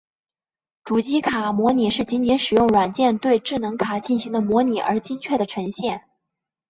主机卡模拟是仅仅使用软件对智能卡进行的虚拟而精确的呈现。